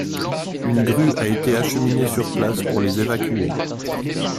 Une grue a été acheminée sur place pour les évacuer.